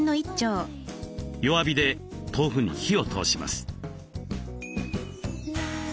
弱火で豆腐に火を通します。